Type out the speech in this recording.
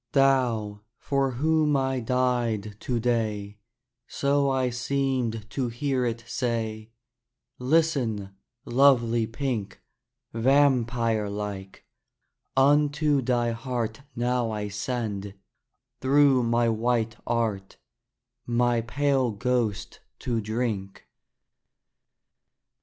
"Thou, for whom I died to day," So I seemed to hear it say, "Listen, lovely pink: Vampire like, unto thy heart Now I send, through my white art, My pale ghost to drink."